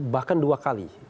bahkan dua kali